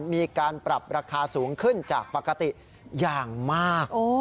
มีการปรับราคาสูงขึ้นจากปกติอย่างมาก